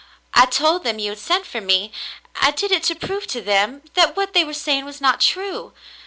I told them you had sent for me. I did it to prove to them that what they were saying was not true.